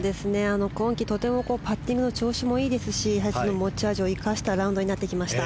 今季とてもパッティングの調子もいいですし彼女の持ち味を生かしたラウンドになってきました。